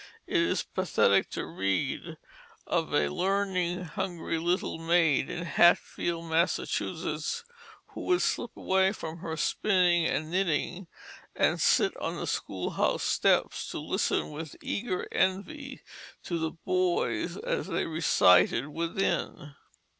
It is pathetic to read of a learning hungry little maid in Hatfield, Massachusetts, who would slip away from her spinning and knitting and sit on the schoolhouse steps to listen with eager envy to the boys as they recited within.